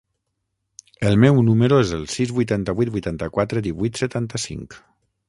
El meu número es el sis, vuitanta-vuit, vuitanta-quatre, divuit, setanta-cinc.